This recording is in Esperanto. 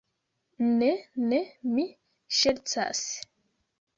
Ne, ne. Mi ŝercas.